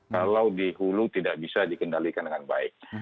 kalau di hulu tidak bisa dikendalikan dengan baik